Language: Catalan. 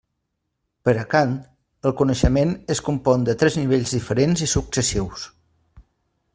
Per a Kant el coneixement es compon de tres nivells diferents i successius.